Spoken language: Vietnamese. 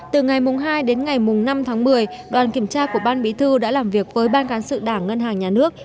từ ngày hai đến ngày năm tháng một mươi đoàn kiểm tra của ban bí thư đã làm việc với ban cán sự đảng ngân hàng nhà nước